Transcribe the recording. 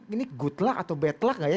ini good luck atau bed luck gak ya